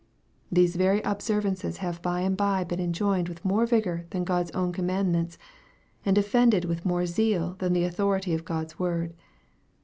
These very observances have by and by been enjoined with more vigor than God's own commandments, and defended with more zeal than the authority of God's own word.